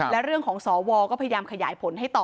และเรื่องของสวก็พยายามขยายผลให้ต่อ